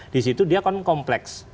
di situ dia kan kompleks